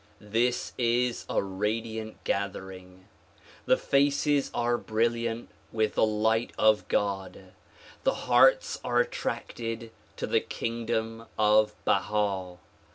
this is a radiant gathering. The faces are brilliant with the light of God. The hearts are attracted to the kingdom of Baha.